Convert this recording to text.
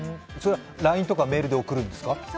ＬＩＮＥとかメールで贈るんですか？